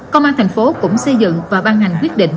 công an thành phố cũng xây dựng và ban hành quyết định